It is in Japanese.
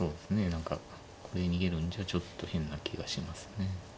何かこれ逃げるんじゃちょっと変な気がしますね。